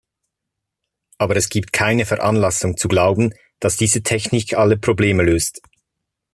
Aber es gibt keine Veranlassung zu glauben, dass diese Technik alle Probleme löst.